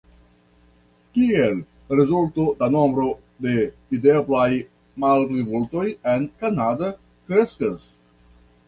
Kiel rezulto la nombro de videblaj malplimultoj en Kanada kreskas.